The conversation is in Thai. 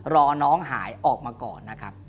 รอน้องหายออกมาก่อนนะครับ